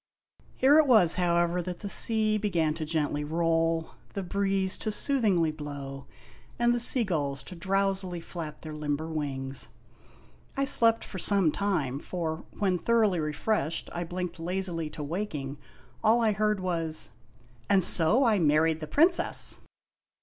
Here it was, however, that the sea began to gently roll, the THE SEQUEL 53 breeze to soothingly blow, and the sea gulls to drowsily flap their limber wings. I slept some time, for when, thoroughly refreshed, I blinked lazily to waking, all I heard was :" And so I married the Princess